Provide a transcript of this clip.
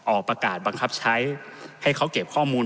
ออกประกาศบังคับใช้ให้เขาเก็บข้อมูล